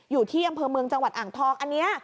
อยู่ที่อำเภอเมืองจังหวัดอ่างทองอันนี้